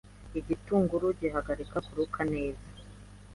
Igitunguru gihagarika kuruka neza.